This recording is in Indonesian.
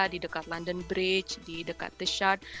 di dekat london bridge di dekat the shard